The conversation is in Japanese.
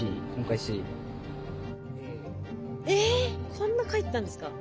こんな書いてたんですか？